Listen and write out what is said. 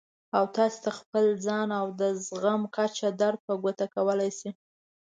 او تاسې ته خپل ځان او د زغم کچه در په ګوته کولای شي.